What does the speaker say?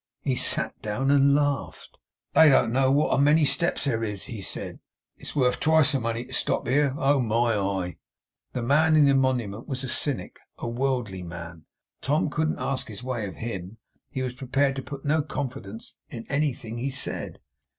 He sat down and laughed. 'They don't know what a many steps there is!' he said. 'It's worth twice the money to stop here. Oh, my eye!' The Man in the Monument was a Cynic; a worldly man! Tom couldn't ask his way of HIM. He was prepared to put no confidence in anything he said.